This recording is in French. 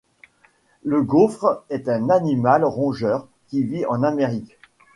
Le gaufre est un animal rongeur qui vit en Amérique